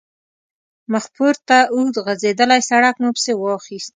مخپورته اوږد غځېدلی سړک مو پسې واخیست.